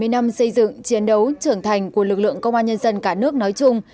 bảy mươi năm xây dựng chiến đấu trưởng thành của lực lượng công an nhân dân cả nước nói chung